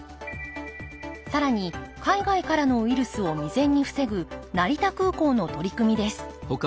更に海外からのウイルスを未然に防ぐ成田空港の取り組みです